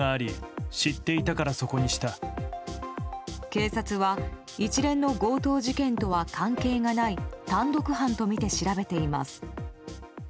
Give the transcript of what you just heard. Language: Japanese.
警察は一連の強盗事件とは関係がない単独犯とみて調べています。